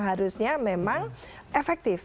harusnya memang efektif